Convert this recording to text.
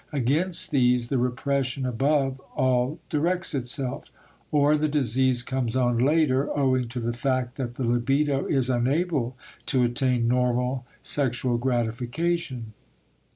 Against these the repression above all directs itself. Or the disease comes on later, owing to the fact that the libido is unable to attain normal sexual gratification.